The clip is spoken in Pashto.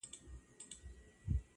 نور د عصمت کوڅو ته مه وروله!